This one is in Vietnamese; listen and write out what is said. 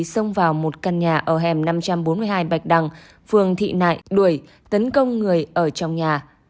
xông vào một căn nhà ở hẻm năm trăm bốn mươi hai bạch đằng phường thị nại đuổi tấn công người ở trong nhà